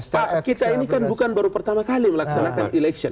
pak kita ini kan bukan baru pertama kali melaksanakan election